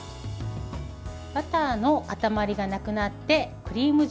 バターの塊がなくなってクリーム状